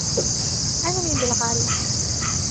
أنا من بلغاريا.